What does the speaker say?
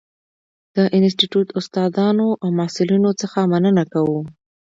د انسټیټوت استادانو او محصلینو څخه مننه کوو.